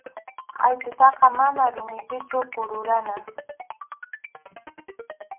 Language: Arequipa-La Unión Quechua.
Qʼaytutaqa mana rumipichu kururana.